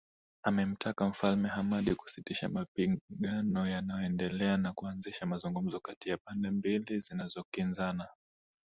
amemtaka mfalme hamadi kusitisha mapigano yanaendelea na kuanzisha mazungumzo kati ya pande mbili zinazokinzana